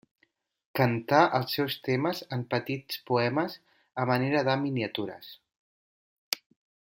Cantà els seus temes en petits poemes a manera de miniatures.